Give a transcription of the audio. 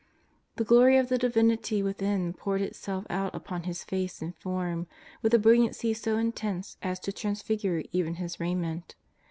The glory of the Divinity within poured Itself out upon His Face and Form with a brilliancy so intense as to transfigure even His rai ment.